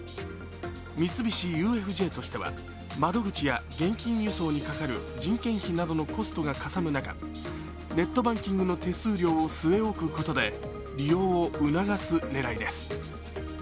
三菱ＵＦＪとしては、窓口や現金輸送にかかる人件費などのコストがかさむ中ネットバンキングの手数料を据え置くことで利用を促す狙いです。